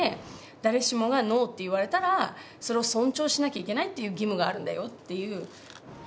誰しもがＮＯって言われたらそれを尊重しなきゃいけないっていう義務があるんだよっていう。